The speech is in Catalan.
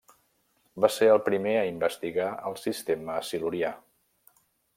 Va ser el primer a investigar el sistema silurià.